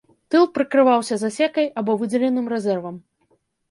Тыл прыкрываўся засекай або выдзеленым рэзервам.